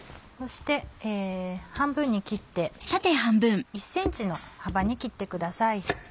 そして半分に切って１ｃｍの幅に切ってください。